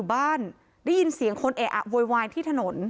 บ้านได้ยินเสียงคนเอะอะโวยวายที่ถนน